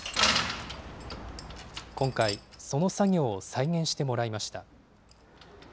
今回、その作業を再現してもらいました。